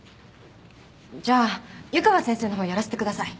じゃあ湯川先生の方やらせてください。